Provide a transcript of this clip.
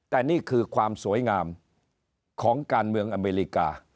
แต่นี่คือความสวยงามของการเมืองอเมริกา